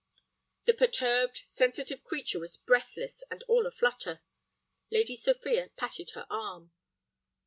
The perturbed, sensitive creature was breathless and all a flutter. Lady Sophia patted her arm.